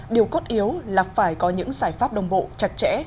điều cốt yếu là phải có những giải pháp đồng bộ chặt chẽ